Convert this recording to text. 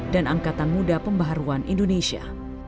dan angkatan muda pembaharuan indonesia